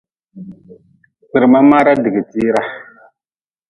Kpirma maara digi tiira.